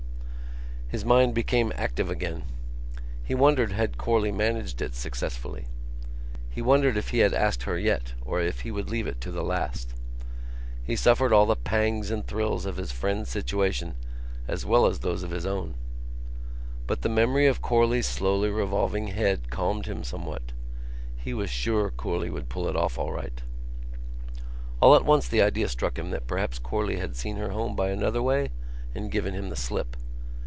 His mind became active again. He wondered had Corley managed it successfully. He wondered if he had asked her yet or if he would leave it to the last. He suffered all the pangs and thrills of his friend's situation as well as those of his own. But the memory of Corley's slowly revolving head calmed him somewhat: he was sure Corley would pull it off all right. All at once the idea struck him that perhaps Corley had seen her home by another way and given him the slip.